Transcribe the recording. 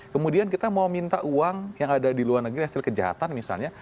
kemudian kita mau minta uang yang ada di luar negeri hasil kejahatan misalnya